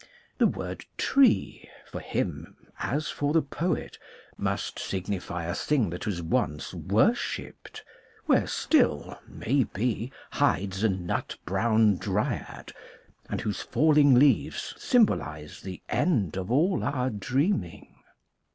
The word " tree " for him as for the poet must signify a thing that was once worshipped, where still maybe hides a nut brown Dryad, and whose falling leaves symbolize the end of all our dreaming.